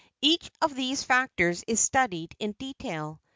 Each of these factors is studied in detail.